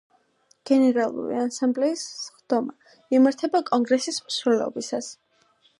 გენერალური ასამბლეის სხდომა იმართება კონგრესის მსვლელობისას.